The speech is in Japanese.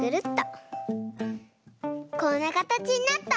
こんなかたちになった！